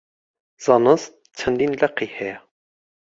زانست چەندین لقی هەیە.